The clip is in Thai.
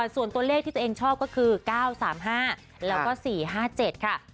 ส่วนตัวเลขที่ตัวเองชอบก็คือ๙๓๕แล้วก็๔๕๗ค่ะ